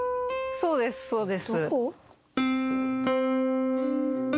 そうですそうです。